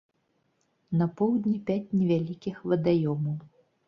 На поўдні пяць невялікіх вадаёмаў.